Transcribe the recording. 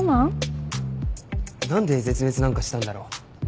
何で絶滅なんかしたんだろ。